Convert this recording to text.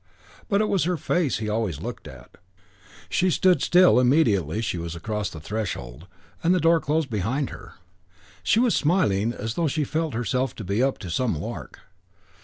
But it was her face he always looked at. She stood still immediately she was across the threshold and the door closed behind her. She was smiling as though she felt herself to be up to some lark.